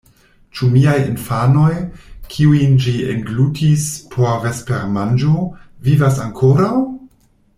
"Ĉu miaj infanoj, kiujn ĝi englutis por vespermanĝo, vivas ankoraŭ?"